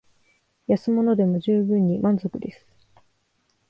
安物でも充分に満足です